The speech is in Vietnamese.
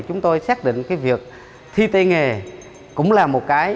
chúng tôi xác định cái việc thi tây nghề cũng là một cái